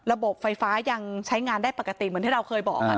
ระบบไฟฟ้ายังใช้งานได้ปกติเหมือนที่เราเคยบอก